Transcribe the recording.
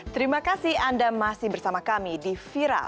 terima kasih anda masih bersama kami di viral